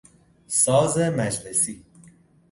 ساز مجلسی